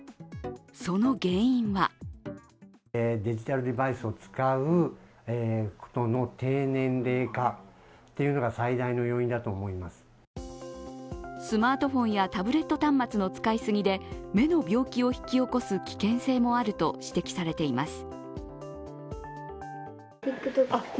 その原因はスマートフォンやタブレット端末の使いすぎで目の病気を引き起こす危険性もあると指摘されています。